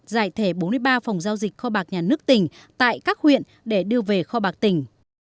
giải thể bốn mươi ba phòng giao dịch kho bạc nhà nước tỉnh tại các huyện để đưa về kho bạc tỉnh